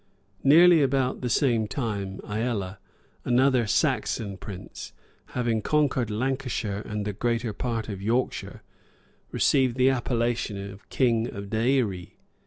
Nearly about the same time, Ælla, another Saxon prince, having conquered Lancashire and the greater part of Yorkshire, received the appellation of king of Deïri.